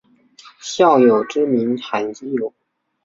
孝友之名罕有。